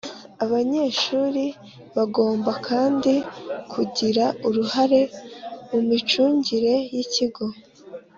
Abanyeshuri bagomba kandi kugira uruhare mu micungire y'ikigo,